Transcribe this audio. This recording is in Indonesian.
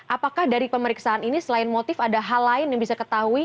apakah dari pemeriksaan ini selain motif ada hal lain yang bisa ketahui